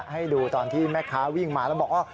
ให้ดูตอนที่แม่ค้าวิ่งมาแล้วบอกว่า